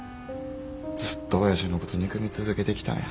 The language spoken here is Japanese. ずっとおやじのこと憎み続けてきたんや。